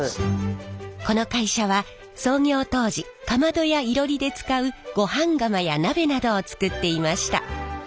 この会社は創業当時かまどやいろりで使うごはん釜や鍋などを作っていました。